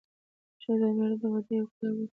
ښځه او مېړه د واده یو کال وروسته.